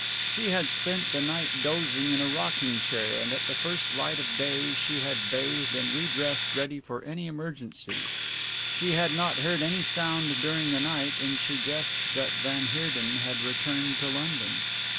She had spent the night dozing in a rocking chair and at the first light of day she had bathed and redressed ready for any emergency. She had not heard any sound during the night and she guessed that van Heerden had returned to London.